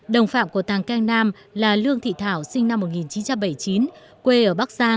đồng phạm của tàng cang nam là lương thị thảo sinh năm một nghìn chín trăm bảy mươi chín quê ở bắc giang